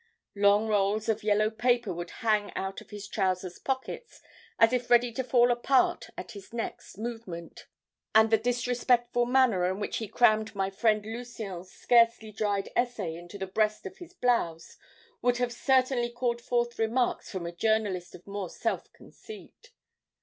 The long rolls of yellow paper would hang out of his trousers pockets as if ready to fall apart at his next movement. And the disrespectful manner in which he crammed my friend Lucien's scarcely dried essay into the breast of his blouse would have certainly called forth remarks from a journalist of more self conceit.